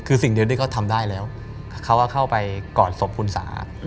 คือสิ่งเดียวที่เขาทำได้แล้วเขาก็เข้าไปกอดศพคุณสา